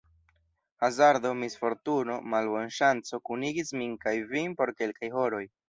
Hazardo, misfortuno, malbonŝanco kunigis min kaj vin por kelkaj horoj.